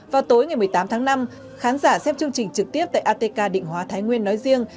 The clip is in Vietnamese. vào tối ngày một mươi tám tháng năm khán giả xem chương trình trực tiếp tại atk định hóa thái nguyên nói riêng